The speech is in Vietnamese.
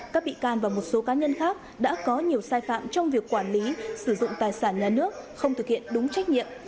các bị can và một số cá nhân khác đã có nhiều sai phạm trong việc quản lý sử dụng tài sản nhà nước không thực hiện đúng trách nhiệm